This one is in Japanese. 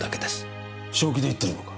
正気で言ってるのか？